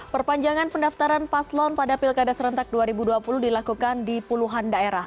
perpanjangan pendaftaran paslon pada pilkada serentak dua ribu dua puluh dilakukan di puluhan daerah